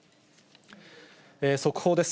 速報です。